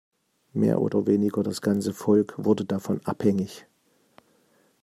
Mehr oder weniger das ganze Volk wurde davon abhängig.